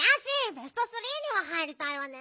ベストスリーには入りたいわね。